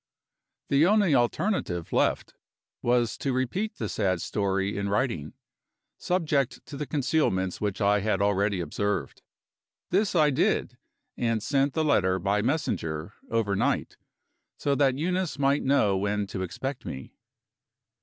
The only alternative left was to repeat the sad story in writing, subject to the concealments which I had already observed. This I did, and sent the letter by messenger, overnight, so that Eunice might know when to expect me.